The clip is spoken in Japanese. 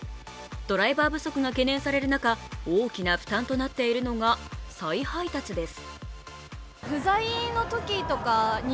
ドライバー不足が懸念される中大きな負担となっているのが再配達です。